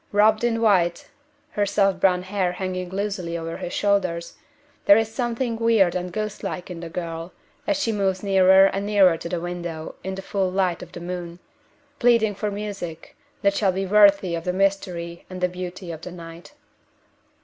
Robed in white her soft brown hair hanging loosely over her shoulders there is something weird and ghost like in the girl, as she moves nearer and nearer to the window in the full light of the moon pleading for music that shall be worthy of the mystery and the beauty of the night.